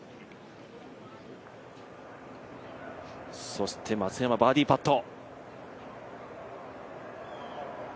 そして松山バーディーパット。